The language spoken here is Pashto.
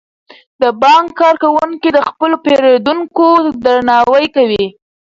د بانک کارکوونکي د خپلو پیرودونکو درناوی کوي.